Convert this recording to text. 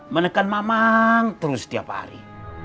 menekan mamang terus setiap hari